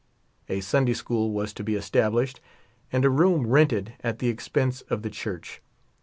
A Sunday school was to be established and a room rented at the expense of the church.